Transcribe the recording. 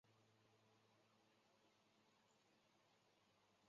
当中包括已结业多年的欢乐天地回归。